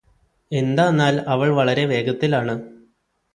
എന്താന്നാൽ അവൾ വളരെ വേഗത്തിലാണ്